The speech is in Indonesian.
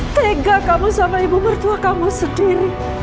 tega kamu sama ibu mertua kamu sendiri